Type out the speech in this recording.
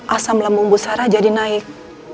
asam lambung bu sarah jadi naik